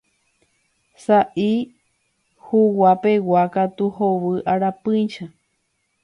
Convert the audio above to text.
Saʼy huguapegua katu hovy arapýicha.